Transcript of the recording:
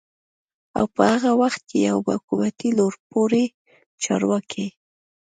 او په هغه وخت کې يوه حکومتي لوړپوړي چارواکي